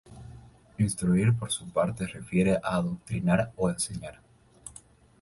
Instruir, por su parte, refiere a adoctrinar o enseñar.